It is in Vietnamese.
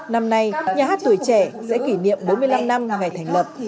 năm nay nhà hát tuổi trẻ sẽ kỷ niệm bốn mươi năm năm ngày thành lập